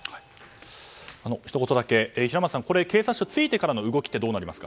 ひと言だけ、平松さん警察署についてからの動きはどうなりますか？